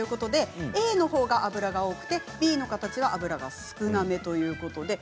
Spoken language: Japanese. Ａのほうが脂が多くてＢは脂が少なめということなんです。